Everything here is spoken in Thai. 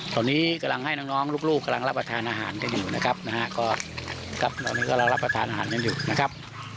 ตอนนี้กำลังให้น้องลูกกำลังรับประทานอาหารกันอยู่นะครับ